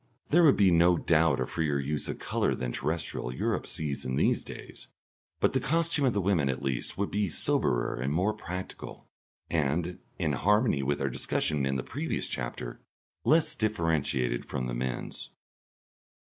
There would be no doubt a freer use of colour than terrestrial Europe sees in these days, but the costume of the women at least would be soberer and more practical, and (in harmony with our discussion in the previous chapter) less differentiated from the men's.